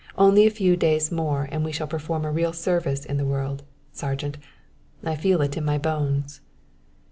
Only a few days more and we shall perform a real service in the world, Sergeant, I feel it in my bones."